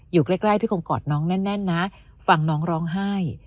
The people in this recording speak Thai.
อยู่ใกล้พี่คงกอดน้องแน่นนะฟังน้องร้องไห้